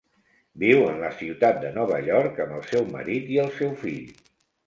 Viu en la ciutat de Nova York amb el seu marit i el seu fill.